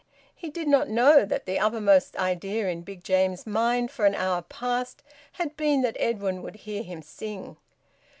He did not know that the uppermost idea in Big James's mind for an hour past had been that Edwin would hear him sing.